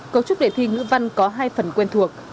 cấu trúc đề thi ngữ văn có hai phần quen thuộc